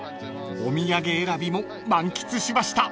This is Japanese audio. ［お土産選びも満喫しました］